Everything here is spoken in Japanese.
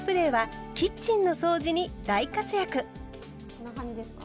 こんな感じですか？